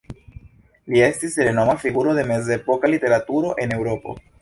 Li estis renoma figuro de mezepoka literaturo en Eŭropo.